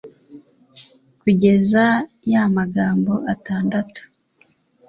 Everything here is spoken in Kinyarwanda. kugeza yamagambo atandatu